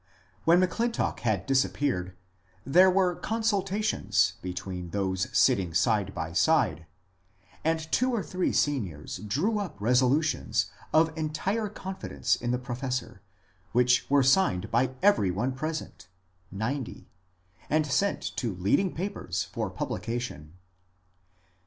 When M'Clintock had disappeared there were consultations 52 MONCURE DANIEL CONWAY between those sitting side by side, and two or three Seniors drew up resolutions of entire confidence in the professor, which were signed by every one present (ninety) and sent to leading papers for publication.